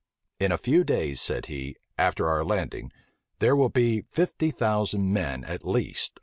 In a few days, said he, after our landing, there will be fifty thousand men at least upon us.